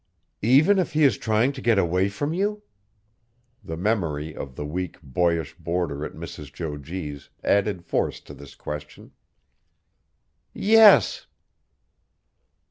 "Even if he is trying to get away from you?" The memory of the weak, boyish boarder at Mrs. Jo G.'s added force to this question. "Yes!"